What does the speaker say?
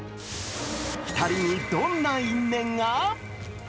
２人にどんな因縁が？